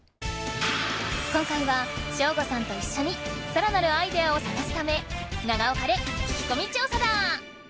今回はショーゴさんと一緒に更なるアイデアを探すため長岡で聞き込み調査だ！